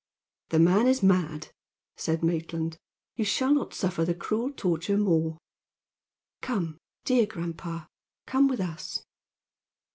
"The man is mad," said Maitland. "You shall not suffer the cruel torture more." "Come, dear grandpa! Come with us."